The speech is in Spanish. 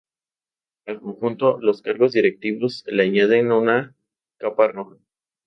Al conjunto, los cargos directivos le añaden una capa roja.